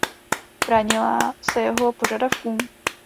Bránila se jeho požadavkům?